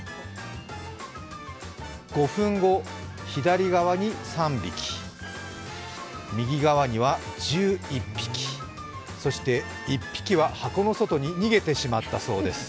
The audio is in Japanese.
５分後、左側に３匹、右側には１１匹、そして、１匹は箱の外に逃げてしまったそうです。